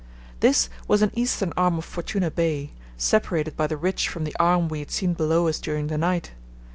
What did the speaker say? This was an eastern arm of Fortuna Bay, separated by the ridge from the arm we had seen below us during the night.